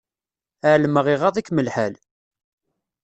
Ɛelmeɣ iɣaḍ-ikem lḥal.